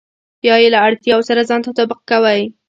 يا يې له اړتياوو سره ځان تطابق کوئ.